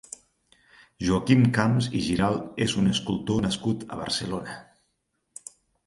Joaquim Camps i Giralt és un escultor nascut a Barcelona.